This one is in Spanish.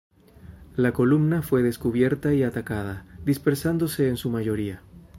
La columna fue descubierta y atacada, dispersándose en su mayoría.